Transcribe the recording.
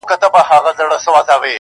• چی دا نن دي یم ژغورلی له انسانه -